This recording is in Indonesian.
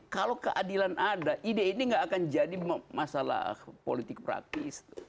kalau keadilan ada ide ini gak akan jadi masalah politik praktis